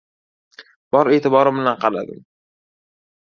Bor e’tiborim bilan qaradim.